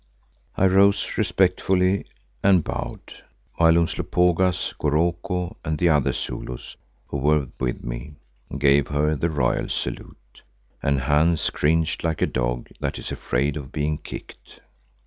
I rose respectfully and bowed, while Umslopogaas, Goroko and the other Zulus who were with me, gave her the royal salute, and Hans cringed like a dog that is afraid of being kicked.